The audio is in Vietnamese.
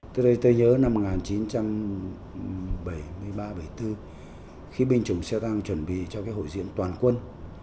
từ đây tôi nhớ năm một nghìn chín trăm bảy mươi ba bảy mươi bốn khi binh chủng xe tăng chuẩn bị cho cái hội diện toàn quân